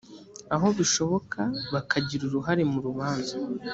aho bishoboka bakagira uruhare mu rubanza